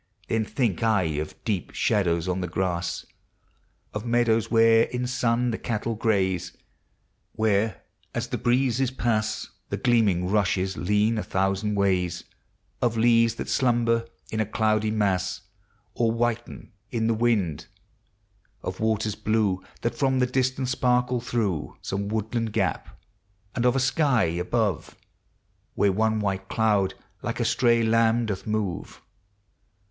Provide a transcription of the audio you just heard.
2 ID Then think I of deep shadows on the grass; Of meadows where in sun the cattle graze, Where, as the breezes pass, The gleaming rushes lean a thousand ways; Of leaves that slumber in a cloudy mas . Or whiten in the wind; of waters blue Thai from the distance sparkle through Some woodland gap; and of a sky above. Where one white cloud like a stray lamb doth move.